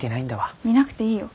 見なくていいよ。